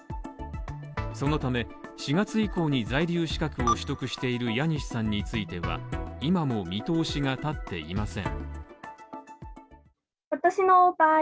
そのため、４月以降に在留資格を取得しているヤニスさんについては、今も見通しが立っていません。